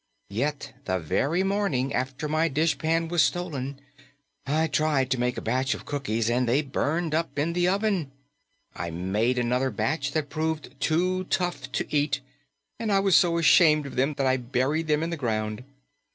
Yet the very morning after my dishpan was stolen, I tried to make a batch of cookies and they burned up in the oven! I made another batch that proved too tough to eat, and I was so ashamed of them that I buried them in the ground.